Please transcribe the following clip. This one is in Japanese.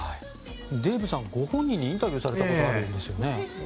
デーブさんご本人にインタビューされたことがあるんですよね。